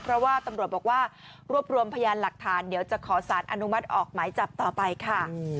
เพราะว่าตำรวจบอกว่ารวบรวมพยานหลักฐานเดี๋ยวจะขอสารอนุมัติออกหมายจับต่อไปค่ะ